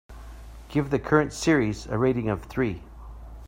Give the current series a rating of three.